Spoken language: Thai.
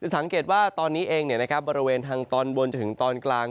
สังเกตว่าตอนนี้เองบริเวณทางตอนบนจนถึงตอนกลาง